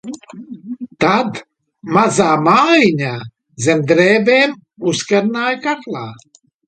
"Tad "mazā mājiņā" zem drēbēm uzkarināju kaklā."